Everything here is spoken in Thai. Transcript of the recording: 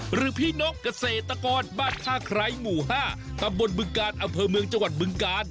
หรือพี่นกเกษตรกรบ้านท่าไคร้หมู่๕ตำบลบึงกาลอำเภอเมืองจังหวัดบึงกาล